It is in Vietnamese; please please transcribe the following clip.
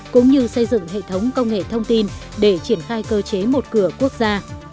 cũng như xây dựng hệ thống công nghệ thông tin để triển khai cơ chế một cửa quốc gia